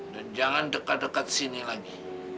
dan jangan dekat dekat sini lagi